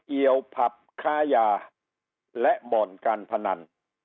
ี่ยวผับค้ายาและบ่อนการพนัน